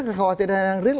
kekhawatiran yang real